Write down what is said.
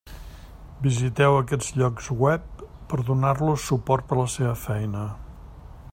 Visiteu aquests llocs web per donar-los suport per la seva feina.